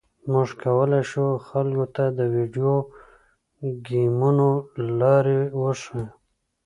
موږ کولی شو خلکو ته د ویډیو ګیمونو لارې وښیو